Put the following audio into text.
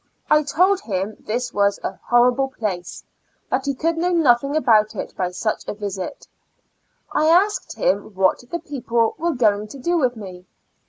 I told him this was a horrible place ; that he could know nothing about it by such a visit. I asked him what the people were going to do with me.